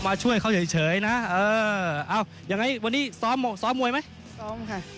ช่วยเขาเฉยนะเออเอายังไงวันนี้ซ้อมซ้อมมวยไหมซ้อมค่ะ